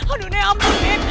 aduh nek ampun nek